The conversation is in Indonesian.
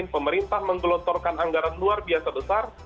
pemerintah menggelontorkan anggaran luar biasa besar